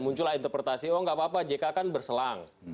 muncullah interpretasi oh nggak apa apa jk kan berselang